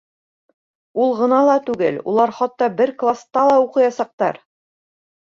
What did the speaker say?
Ул ғына ла түгел, улар хатта бер класта ла уҡыясаҡтар.